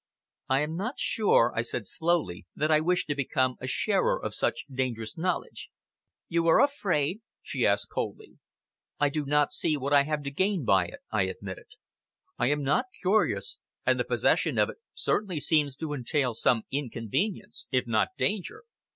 "I am not sure," I said slowly, "that I wish to become a sharer of such dangerous knowledge." "You are afraid?" she asked coldly. "I do not see what I have to gain by it," I admitted. "I am not curious, and the possession of it certainly seems to entail some inconvenience, if not danger."